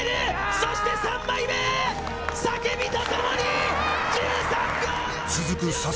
そして３枚目、叫びとともに、１３秒４１残し！